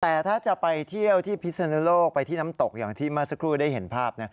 แต่ถ้าจะไปเที่ยวที่พิศนุโลกไปที่น้ำตกอย่างที่เมื่อสักครู่ได้เห็นภาพ